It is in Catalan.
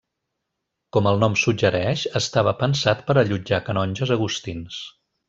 Com el nom suggereix, estava pensat per allotjar canonges agustins.